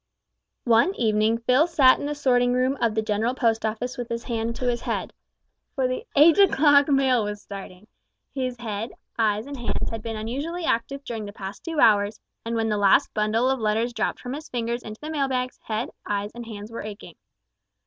One evening Phil sat in the sorting room of the General Post Office with his hand to his head for the eight o'clock mail was starting; his head, eyes, and hands had been unusually active during the past two hours, and when the last bundle of letters dropped from his fingers into the mail bags, head, eyes, and hands were aching.